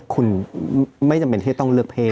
คุณไม่จำเป็นที่จะต้องเลือกเพศ